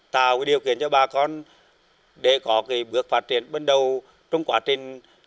tạo điều kiện cho bà con để có bước phát triển ban đầu trong quá trình